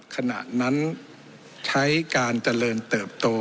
ขณะนั้นใช้การเจริญเติบโต